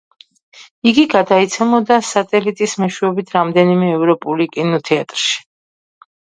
იგი გადაიცემოდა სატელიტის მეშვეობით რამდენიმე ევროპული კინოთეატრში.